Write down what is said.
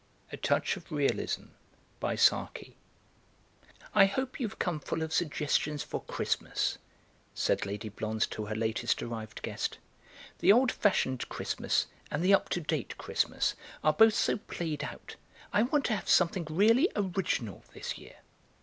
A TOUCH OF REALISM "I hope you've come full of suggestions for Christmas," said Lady Blonze to her latest arrived guest; "the old fashioned Christmas and the up to date Christmas are both so played out. I want to have something really original this year."